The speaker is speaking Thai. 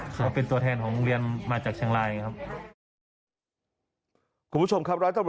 เขาเรียกว่ากีธาร์